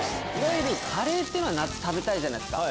カレーって夏食べたいじゃないですか。